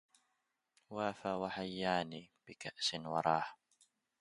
وافى وحياني بكأس وراح